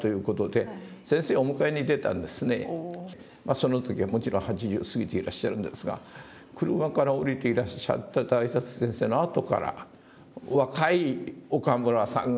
その時はもちろん８０を過ぎていらっしゃるんですが車から降りていらっしゃった大拙先生のあとから若い岡村さんが見えたんです。